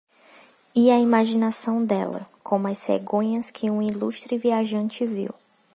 E a imaginação dela, como as cegonhas que um ilustre viajante viu